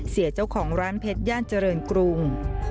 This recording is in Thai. เสียเจ้าของร้านเพชรย่านเจริญกรุง